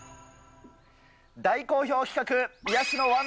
大好評企画、癒やしのワン！